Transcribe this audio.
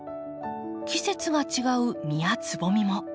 季節が違う実やつぼみも。